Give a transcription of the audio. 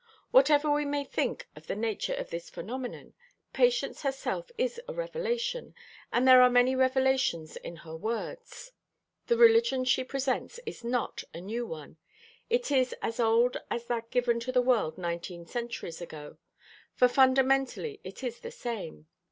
Whatever we may think of the nature of this phenomenon, Patience herself is a revelation, and there are many revelations in her words. The religion she presents is not a new one. It is as old as that given to the world nineteen centuries ago; for fundamentally it is the same.